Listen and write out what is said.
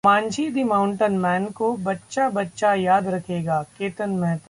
'Manjhi the mountain man' को बच्चा-बच्चा याद रखेगा: केतन मेहता